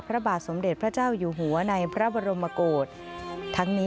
พระบาทสมเด็จพระเจ้าอยู่หัวในพระบรมโกศทั้งนี้